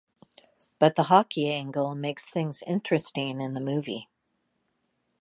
But the hockey angle makes things interesting in the movie.